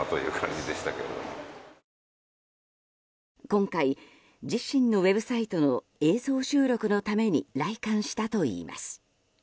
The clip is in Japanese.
今回、自身のウェブサイトの映像収録のために来館したといいます。